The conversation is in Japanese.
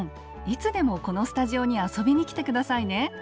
いつでもこのスタジオに遊びに来て下さいね。